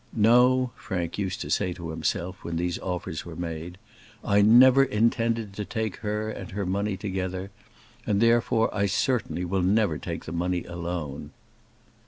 "No," Frank used to say to himself, when these offers were made, "I never intended to take her and her money together; and, therefore, I certainly will never take the money alone."